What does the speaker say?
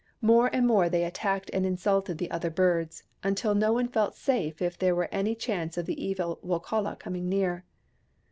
More and more they attacked and insulted the other birds, until no one felt safe if there were any chance of the evil Wokala coming near.